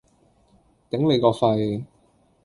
頂你個肺！